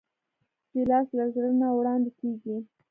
ګیلاس له زړه نه وړاندې کېږي.